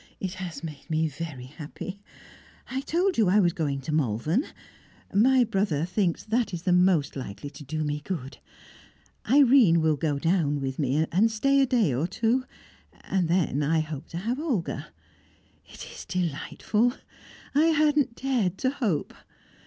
It has made me very happy! I told you I was going to Malvern; my brother thinks that is most likely to do me good. Irene will go down with me, and stay a day or two, and then I hope to have Olga. It is delightful! I hadn't dared to hope.